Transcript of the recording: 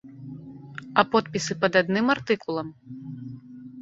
А подпісы пад адным артыкулам?